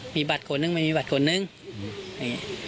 มีบัตรคนนึงไม่มีบัตรคนนึงอย่างนี้